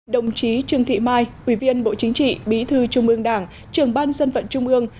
đồng chí trương thị mai ủy viên bộ chính trị bí thư trung ương đảng trường ban dân vận trung ương